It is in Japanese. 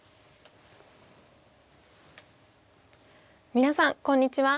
皆さんこんにちは。